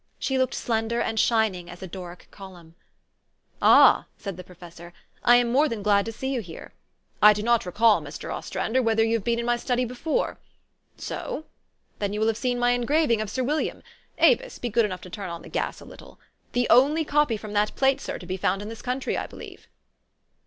She looked slender and shining as a Doric column. " Ah," said the professor, " I am more than glad to see you here. I do not recall, Mr. Ostrander, whether you have been in my study before. So? Then you will have seen my engraving of Sir Wil liam, Avis, be good enough to turn on the gas a little, the only copy from that plate, sir, to be found in this country, I believe."